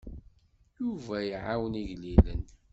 Yuba iɛawen igellilen.